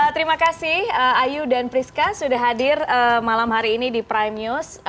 terima kasih ayu dan priska sudah hadir malam hari ini di prime news